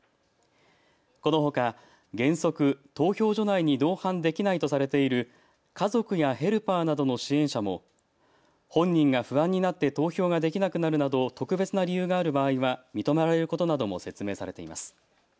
このほか原則、投票所内に同伴できないとされている家族やヘルパーなどの支援者も、本人が不安になって投票ができなくなるなど特別な理由がある場合は認められることなども説明されています。